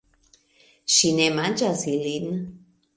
Ŝi ne manĝas ilin